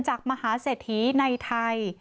จากมหาเสถีในไทย